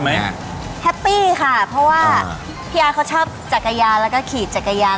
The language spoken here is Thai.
ยังไงแฮปปี้ค่ะเพราะว่าพี่อาร์เขาชอบจักรยานแล้วก็ขี่จักรยาน